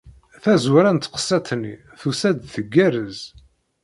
Tazwara n teqsiṭ-nni tusa-d tgerrez.